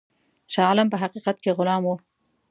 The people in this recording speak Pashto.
شاه عالم په حقیقت کې غلام وو.